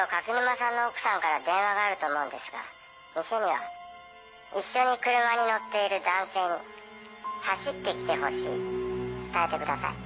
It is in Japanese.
電話があると思うんですが店には一緒に車に乗っている男性に走ってきて欲しいと伝えてください